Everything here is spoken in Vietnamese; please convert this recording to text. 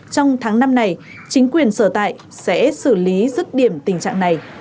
trong tháng năm này chính quyền sở tại sẽ xử lý rứt điểm tình trạng này